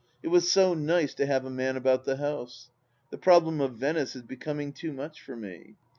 It was so nice to have a man about the house. ... The problem of Venice is be coming too much for me.